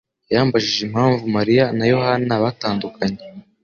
yambajije impamvu Mariya na Yohana batandukanye.